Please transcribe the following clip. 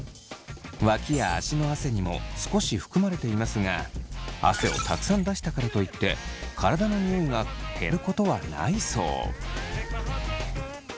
脇や足の汗にも少し含まれていますが汗をたくさん出したからといって体のニオイが減ることはないそう。